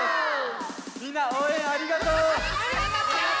みんなおうえんありがとう！